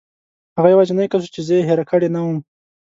هغه یوازینی کس و چې زه یې هېره کړې نه وم.